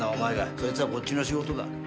そいつはこっちの仕事だ。